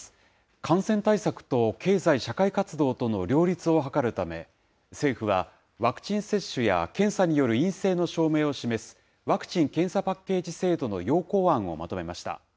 感染対策と経済社会活動との両立を図るため、政府は、ワクチン接種や検査による陰性の証明を示すワクチン・検査パッケージ制度の要綱案をまとめました。